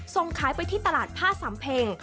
ส่งขายไปที่ตลาดผ้าสำเพ็ง